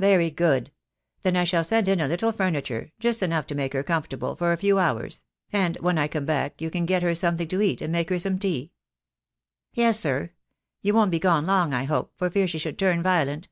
"Very good. Then I shall send in a little furniture — just enough to make her comfortable for a few hours — and when I come back you can get her something to eat, and make her some tea." "Yes, sir. You won't be gone long, I hope, for fear she should turn violent?"